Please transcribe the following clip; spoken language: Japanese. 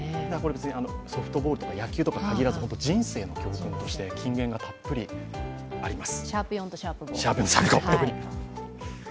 別にソフトボールとか野球とかに限らず人生の教訓として金言がたっぷりあります。